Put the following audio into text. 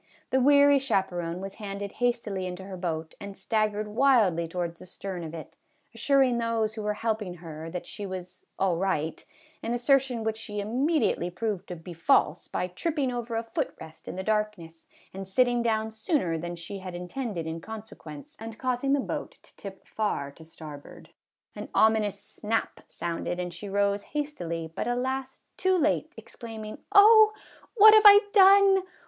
The weary chaperon was handed hastily into her boat, and staggered wildly towards the stern of it, assuring those who were helping her that she was " all right," an assertion which she immediately proved to be false by tripping over a foot rest in the darkness, and sitting down sooner than she had in tended in consequence, and causing the boat to tip far to starboard. An ominous snap sounded and she rose hastily, but, alas ! too late, exclaiming, " Oh, what have I done